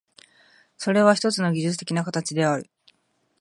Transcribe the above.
それはひとつの技術的な形である。